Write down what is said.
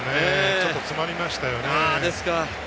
ちょっと詰まりましたね。